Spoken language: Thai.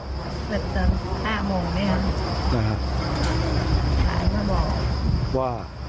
เหล็ดต้น๕โมงใช่ไหมครับข่าจะบอกว่าว่า